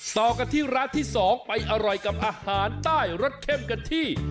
ต่อกันที่ร้านที่๒ไปอร่อยกับอาหารใต้รสเข้มกันที่